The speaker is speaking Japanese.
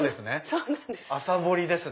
そうなんです。